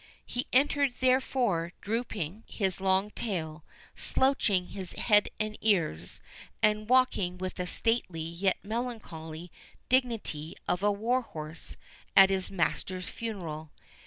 He entered therefore, drooping his long tail, slouching his head and ears, and walking with the stately yet melancholy dignity of a war horse at his master's funeral.